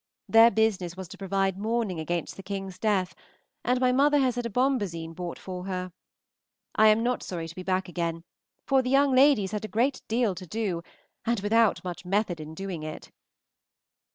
Their business was to provide mourning against the King's death, and my mother has had a bombazine bought for her. I am not sorry to be back again, for the young ladies had a great deal to do, and without much method in doing it.